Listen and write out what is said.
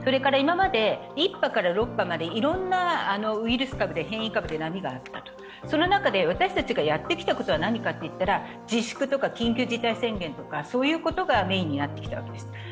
今まで１波から６波からいろんな変異株で波があったその中で私たちがやってきたことな何かといったら自粛とか緊急事態宣言とかそういうことがメインになってきたわけです。